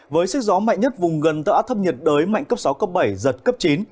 với sức gió mạnh nhất vùng gần tâm áp thấp nhiệt đới mạnh cấp sáu cấp bảy giật cấp chín